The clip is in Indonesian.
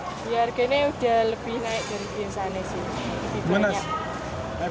harganya udah lebih naik dari biasanya sini